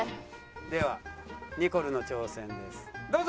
ではニコルの挑戦ですどうぞ。